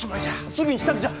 すぐに支度じゃ！